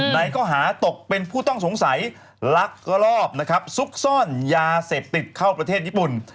ในข้อหาตกเป็นผู้ต้องสงสัยลักลอบนะครับซุกซ่อนยาเสพติดเข้าประเทศญี่ปุ่น